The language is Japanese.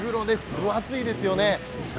分厚いですよね。